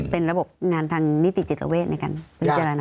เป็นระบบงานทางนิติจิตเวทในการพิจารณา